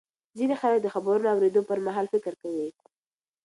ځینې خلک د خبرونو اورېدو پر مهال فکر کوي.